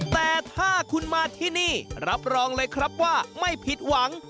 แต่ถ้าคุณมาที่นี่รับรองเลยครับว่าไม่ผิดหวัง